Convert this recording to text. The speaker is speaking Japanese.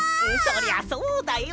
そりゃそうだよ！